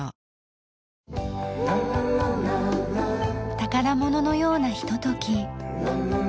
宝物のようなひととき。